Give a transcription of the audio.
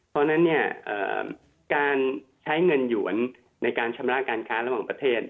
เพราะฉะนั้นการใช้เงินหยวนในการชำระการค้าระหว่างประเทศ